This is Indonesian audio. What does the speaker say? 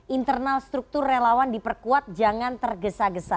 internal struktur relawan diperkuat jangan tergesa gesa